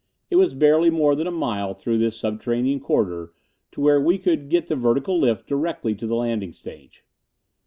It was barely more than a mile through this subterranean corridor to where we could get the vertical lift direct to the landing stage.